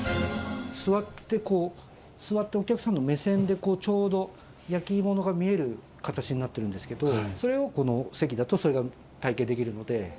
座ってこう、座って、お客さんの目線で、ちょうど焼き物が見える形になってるんですけど、それをこの席だと、それが体験できるので。